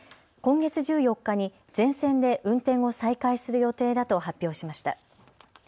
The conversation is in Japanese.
今月１４日に全線で運転を再開する予定だと発表しました。